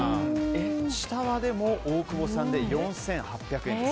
下は大久保さんで４８００円です。